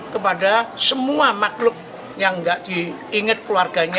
kepada semua makhluk yang tidak diingat keluarganya